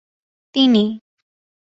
তিনি